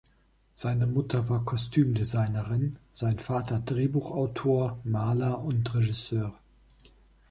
Seine Mutter war Kostümdesignerin, sein Vater Drehbuchautor, Maler und Regisseur.